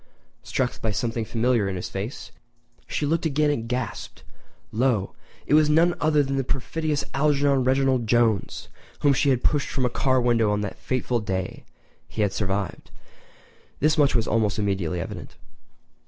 Struck by something familiar in his face, she looked again and gasped. Lo! it was none other than the perfidious Algernon Reginald Jones, whom she had pushed from a car window on that fateful day! He had survived—this much was almost immediately evident.